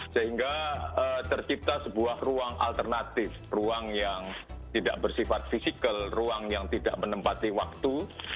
sehingga tercipta sebuah ruang alternatif ruang yang tidak bersifat fisikal ruang yang tidak menempati waktu